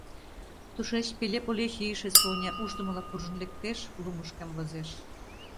Тушеч пеле-пуле чийыше Соня ушдымыла куржын лектеш, лумыш камвозеш.